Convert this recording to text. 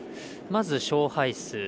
まず、勝敗数。